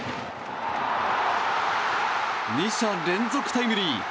２者連続タイムリー。